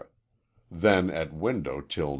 Then at window till 9.